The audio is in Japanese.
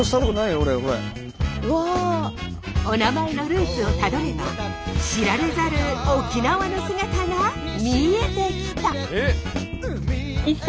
お名前のルーツをたどれば知られざる沖縄の姿が見えてきた！